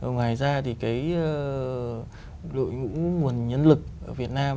ngoài ra thì cái đội ngũ nguồn nhân lực ở việt nam